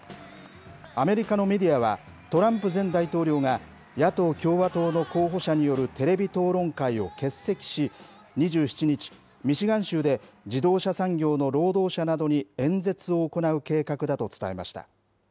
アメリカのメディアは、トランプ前大統領が野党・共和党の候補者によるテレビ討論会を欠席し、２７日、ミシガン州で自動車産業の労働者などに演説を行う計画だと伝えました。